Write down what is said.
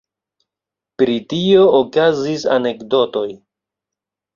Pri tio okazis anekdotoj.